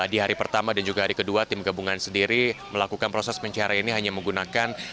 di hari pertama dan juga hari kedua tim gabungan sendiri melakukan proses pencarian ini hanya menggunakan